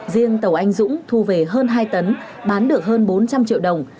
riêng tàu anh dũng thu về hơn hai tấn bán được hơn bốn trăm linh tấn